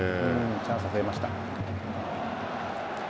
チャンスが増えました。